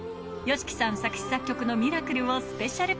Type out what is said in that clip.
ＹＯＳＨＩＫＩさん作詞作曲の『Ｍｉｒａｃｌｅ』をスペシャル